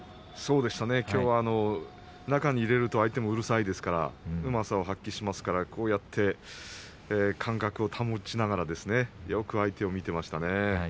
そうでしたね中に入れると相手もうるさいですからうまさを発揮しますからこうやって間隔を保ちながらよく相手を見ていましたね。